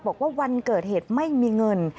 บอกว่าวันเกิดเหตุไม่มีเงิน